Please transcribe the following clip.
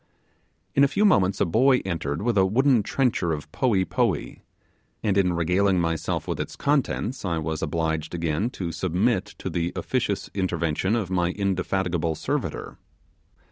In a few moments a boy entered with a wooden trencher of poee poee; and in regaling myself with its contents I was obliged again to submit to the officious intervention of my indefatigable servitor.